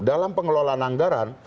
dalam pengelolaan anggaran